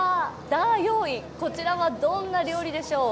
こちらはどんな料理でしょう。